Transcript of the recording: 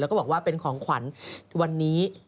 แล้วก็บอกว่าเป็นของขวัญวันนี้